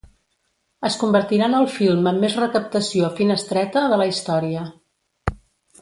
Es convertirà en el film amb més recaptació a finestreta de la història.